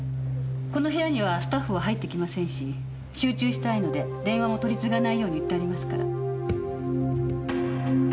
この部屋にはスタッフは入ってきませんし集中したいので電話も取り次がないように言ってありますから。